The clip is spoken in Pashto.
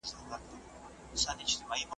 سوداګر به یو له چین تر سمرقنده .